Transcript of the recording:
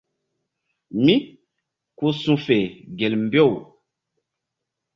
Mí ku su̧fe gel mbew.